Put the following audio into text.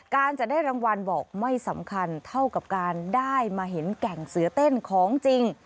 การจะได้รางวัลบอกไม่สำคัญเท่ากับการได้มาเห็นแก่งเสือเต้นของจริง